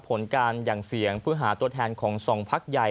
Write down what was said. ผลการหยั่งเสียงเพื่อหาตัวแทนของสองพักใหญ่